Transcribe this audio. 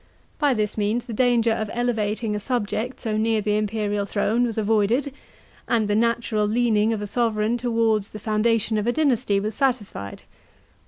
By this means the danger of elevating a subject so near the imperial throne was avoided, and the natural leaning of a sovran towards the foundation of a dynasty was satisfied.